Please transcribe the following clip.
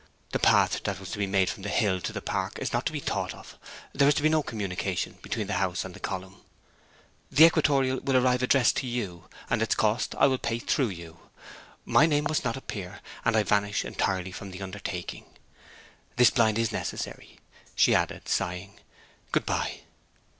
The path that was to be made from the hill to the park is not to be thought of. There is to be no communication between the house and the column. The equatorial will arrive addressed to you, and its cost I will pay through you. My name must not appear, and I vanish entirely from the undertaking. ... This blind is necessary,' she added, sighing. 'Good bye!'